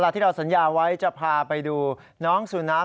ที่เราสัญญาไว้จะพาไปดูน้องสุนัข